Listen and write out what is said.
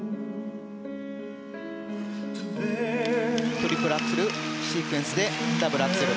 トリプルアクセルシークエンスでダブルアクセル。